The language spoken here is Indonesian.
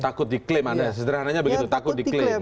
takut diklaim sederhananya begitu takut diklaim